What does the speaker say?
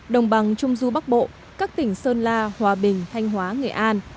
đồng bằng trung du bắc bộ các tỉnh sơn la hòa bình thanh hóa nghệ an